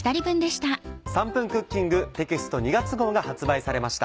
『３分クッキング』テキスト２月号が発売されました。